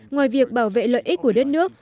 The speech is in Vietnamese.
ngoài việc bảo vệ lợi ích của đất nước